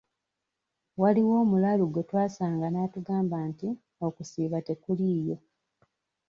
Waliwo omulalu gwe twasanga n'atugamba nti okusiiba tekuliiyo.